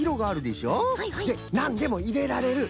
で「なんでもいれられる」。